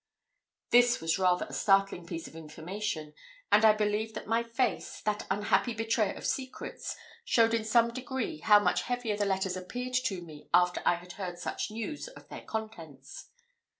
This was rather a startling piece of information; and I believe that my face, that unfaithful betrayer of secrets, showed in some degree how much heavier the letters appeared to me after I had heard such news of their contents.